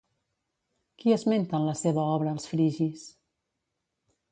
Qui esmenta en la seva obra als frigis?